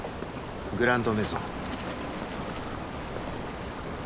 「グランドメゾン」